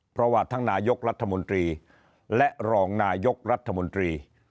เพราะว่าทั้งนายกรัฐมนตรีและรองนายกรัฐมนตรี